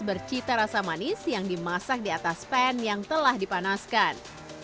bercita rasa manis yang dimasak di atas pan yang telah dipanaskan